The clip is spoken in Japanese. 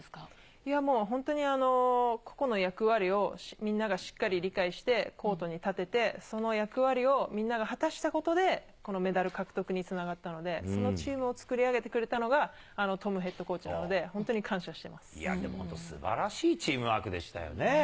いやもう、本当に個々の役割をみんながしっかり理解して、コートに立てて、その役割をみんなが果たしたことで、このメダル獲得につながったので、そのチームを作り上げてくれたのが、トムヘッドコーチなのいや、でも本当すばらしいチームワークでしたよね。